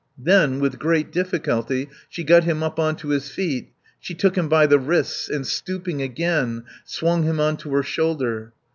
Then, with great difficulty, she got him up on to his feet; she took him by the wrists and, stooping again, swung him on to her shoulder.